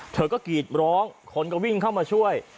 เธอก็กรีดร้องคนก็วิ่งเข้ามาช่วย